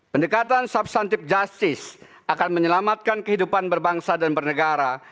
pendekatan substantif justice akan menyelamatkan kehidupan berbangsa dan bernegara